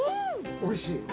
おいしい？